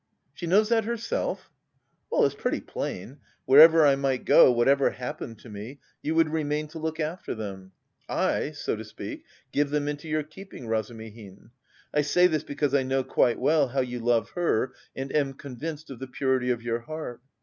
"She knows that herself?" "Well, it's pretty plain. Wherever I might go, whatever happened to me, you would remain to look after them. I, so to speak, give them into your keeping, Razumihin. I say this because I know quite well how you love her, and am convinced of the purity of your heart.